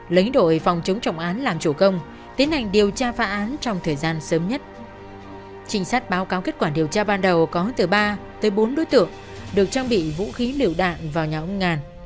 lấy đổi phòng chống trọng án làm chủ công